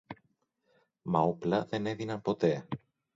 Μα όπλα δεν έδιναν ποτέ